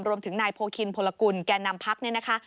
รวมถึงนายโพคินพลกุลแก่นำพักเนี่ยนะคะ